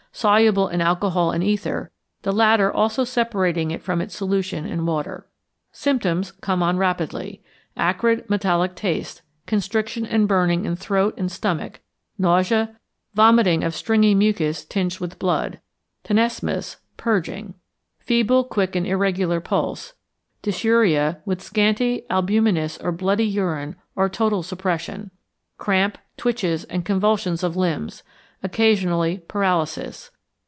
Soluble in alcohol and ether, the latter also separating it from its solution in water. Symptoms come on rapidly. Acrid, metallic taste, constriction and burning in throat and stomach, nausea, vomiting of stringy mucus tinged with blood, tenesmus, purging. Feeble, quick, and irregular pulse, dysuria with scanty, albuminous or bloody urine or total suppression. Cramp, twitches and convulsions of limbs, occasionally paralysis.